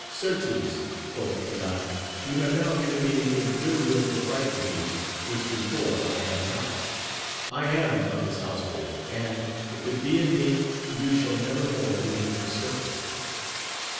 Certes, quoth Guilan, you have now given me a good will to fight with thee, which before I had not : I am of his household, and, if it be in me, you shall never more do him disservice.